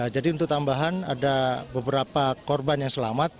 jadi untuk tambahan ada beberapa korban yang selamat